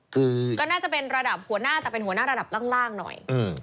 คือก็น่าจะเป็นระดับหัวหน้าแต่เป็นหัวหน้าระดับล่างหน่อย